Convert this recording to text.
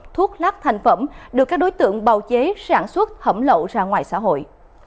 thuốc lát thành phẩm được các đối tượng bào chế sản xuất thẩm lậu ra ngoài xã hội